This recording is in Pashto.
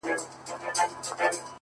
o چي له تا مخ واړوي تا وویني؛